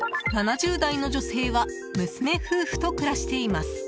７０代の女性は娘夫婦と暮らしています。